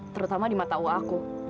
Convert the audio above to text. terutama di mata uakku